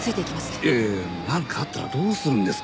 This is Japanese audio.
いやいやいやなんかあったらどうするんですか？